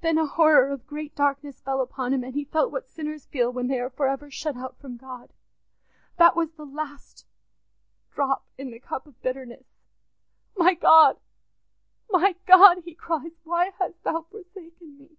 Then a horror of great darkness fell upon him, and he felt what sinners feel when they are for ever shut out from God. That was the last drop in the cup of bitterness. 'My God, my God!' he cries, 'why hast Thou forsaken me?